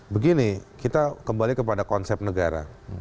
begini kita kembali kepada konsep negara